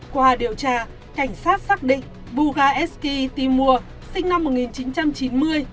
qua điều tra cảnh sát xác định bugasky timur sinh năm một nghìn chín trăm chín mươi